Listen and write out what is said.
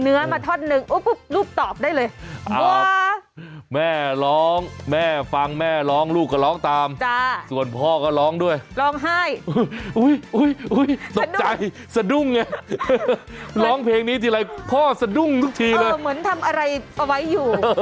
เนื้อมาทอดหนึ่งอุ๊บรูปตอบได้เลย